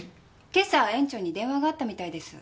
今朝園長に電話があったみたいです。